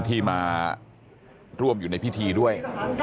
ที่มาร่วมอยู่ในพิธีด้วย